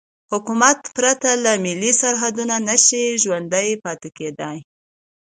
حکومت پرته له ملي سرحدونو نشي ژوندی پاتې کېدای.